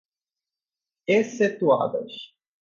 Excetuadas